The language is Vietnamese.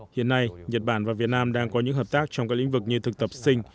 hiện nay nhật bản và việt nam đang có những hợp tác trong các lĩnh vực như thực tập sinh